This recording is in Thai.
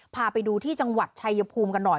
พาไปดูที่จังหวัดชายภูมิกันหน่อย